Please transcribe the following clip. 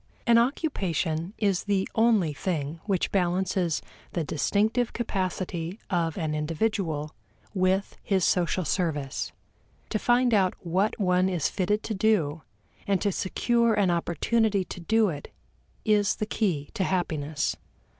An occupation is the only thing which balances the distinctive capacity of an individual with his social service. To find out what one is fitted to do and to secure an opportunity to do it is the key to happiness.